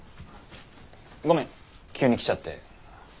ごめん急に来ちゃって。